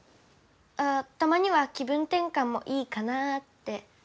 あたまには気分てんかんもいいかなって。